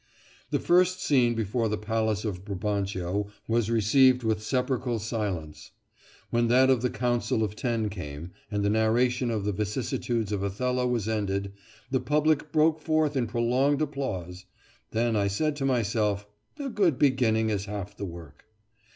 The first scene before the palace of Brabantio was received with sepulchral silence. When that of the Council of Ten came, and the narration of the vicissitudes of Othello was ended, the public broke forth in prolonged applause. Then I said to myself, "A good beginning is half the work."